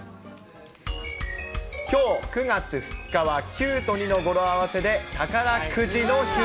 きょう９月２日は、９と２の語呂合わせで宝くじの日。